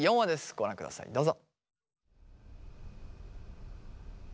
ご覧くださいどうぞ！